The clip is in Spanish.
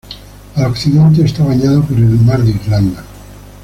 Al occidente está bañado por el Mar de Irlanda.